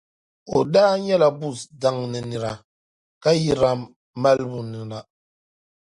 O daa nyɛla Buz daŋ ni nira, ka yi Ram malibu ni na.